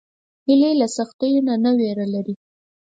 هیلۍ له سختیو نه نه ویره لري